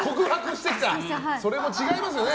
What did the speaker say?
それも違いますよね。